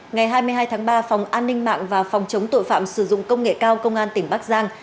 ngày hai mươi hai tháng ba phòng an ninh mạng và phòng chống tội phạm sử dụng công nghệ cao công an tỉnh bắc giang